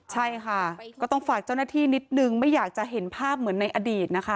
ใช่ค่ะก็ต้องฝากเจ้าหน้าที่นิดนึงไม่อยากจะเห็นภาพเหมือนในอดีตนะคะ